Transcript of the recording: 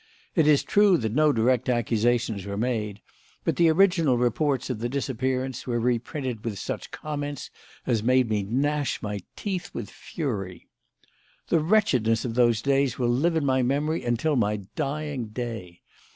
It is true that no direct accusations were made; but the original reports of the disappearance were reprinted with such comments as made me gnash my teeth with fury. The wretchedness of those days will live in my memory until my dying day.